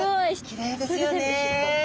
きれいですよね。